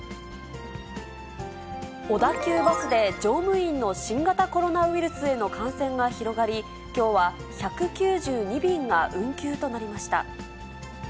小田急バスで、乗務員の新型コロナウイルスへの感染が広がり、きょうは１９２便が運休となりました。